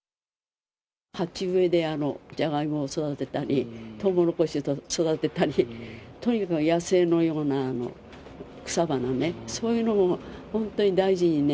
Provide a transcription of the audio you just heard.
鉢植えでジャガイモを育てたり、トウモロコシ育てたり、とにかく野生のような草花ね、そういうのも本当に大事にね。